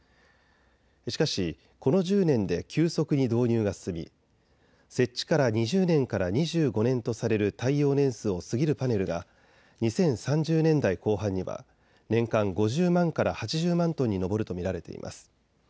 しかしこの１０年で急速に導入が進み設置から２０年から２５年とされる耐用年数を過ぎるパネルが２０３０年代後半には年間５０万から８０万トンに上ると見られています。